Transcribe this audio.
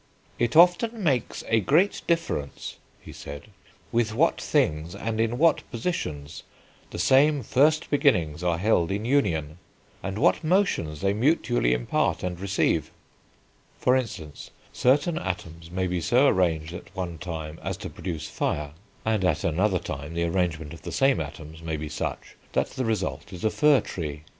"It often makes a great difference," he said, "with what things, and in what positions the same first beginnings are held in union, and what motions they mutually impart and receive." For instance, certain atoms may be so arranged at one time as to produce fire, and, at another time, the arrangement of the same atoms may be such that the result is a fir tree.